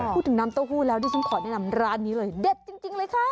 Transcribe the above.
น้ำเต้าหู้แล้วดิฉันขอแนะนำร้านนี้เลยเด็ดจริงเลยค่ะ